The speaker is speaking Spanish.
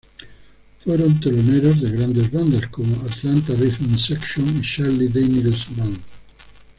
Fueron teloneros de grandes bandas como "Atlanta Rhythm Section" y "Charlie Daniels Band".